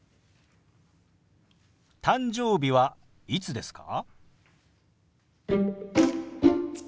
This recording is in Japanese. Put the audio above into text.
「誕生日はいつですか？」。